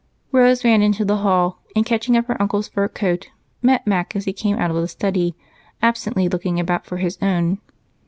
Rose ran into the hall, and catching up her uncle's fur coat, met Mac as he came out of the study, absently looking about for his own.